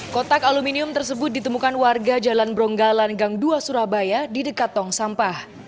kotak aluminium tersebut ditemukan warga jalan bronggalan gang dua surabaya di dekat tong sampah